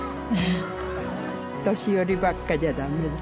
年寄りばっかじゃ駄目だ。